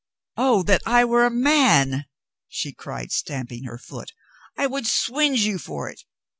"Oh, that I were a man!" she cried, stamping her foot. "I would swinge you for it!